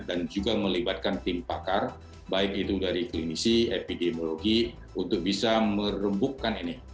dan juga melibatkan tim pakar baik itu dari klinisi epidemiologi untuk bisa merembukkan ini